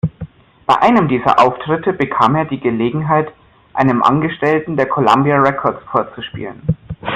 Bei einem dieser Auftritte bekam er die Gelegenheit, einem Angestellten der Columbia Records vorzuspielen.